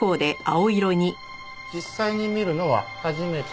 実際に見るのは初めてだけど。